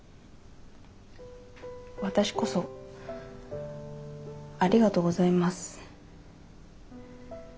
私こそありがとうございます。